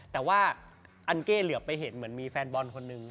แต่ว่าอันเก้เหลือไปเห็นเหมือนมีแฟนบอลคนนึง